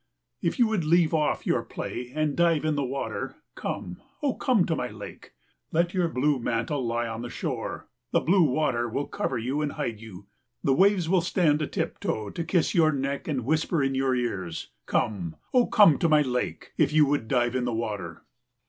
If you would leave off your play and dive in the water, come, O come to my lake. Let your blue mantle lie on the shore; the blue water will cover you and hide you. The waves will stand a tiptoe to kiss your neck and whisper in your ears. Come, O come to my lake, if you would dive in the water.